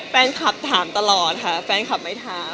แฟนคลับถามตลอดค่ะแฟนคลับไม่ถาม